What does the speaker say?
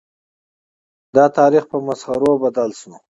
د تاریخ په مسخرو بدل شول.